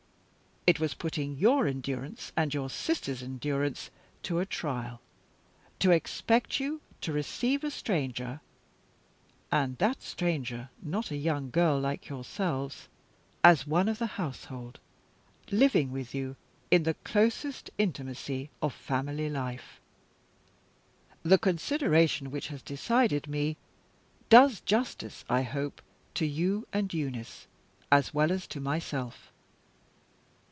It was putting your endurance, and your sister's endurance, to a trial to expect you to receive a stranger (and that stranger not a young girl like yourselves) as one of the household, living with you in the closest intimacy of family life. The consideration which has decided me does justice, I hope, to you and Eunice, as well as to myself.